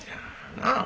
なあ？